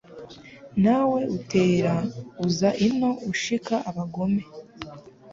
Na we utera uza ino Ushika abagome